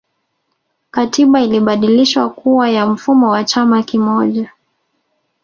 katiba ilibadilishwa kuwa ya mfumo wa chama kimoja